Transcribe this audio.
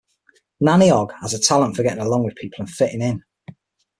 Nanny Ogg has a talent for getting along with people and fitting in.